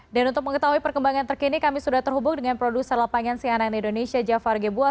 dan untuk mengetahui perkembangan terkini kami sudah terhubung dengan produser lapangan siaran indonesia jafar gebuah